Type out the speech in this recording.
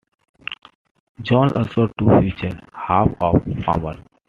Jones, also two future Hall-of-Famers.